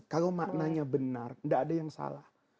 kalau maknanya benar nggak ada yang salah